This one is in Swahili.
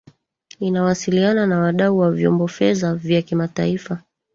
inawasiliana na wadau wa vyombo fedha vya kimataifa